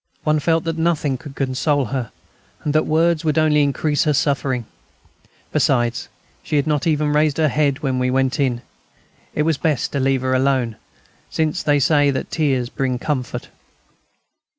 One felt that nothing could console her, and that words would only increase her suffering. Besides, she had not even raised her head when we went in. It was best to leave her alone, since they say that tears bring comfort.